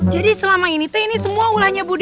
jadi selama ini teh ini semua ulahnya bu dewi